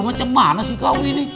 macam mana sih kau ini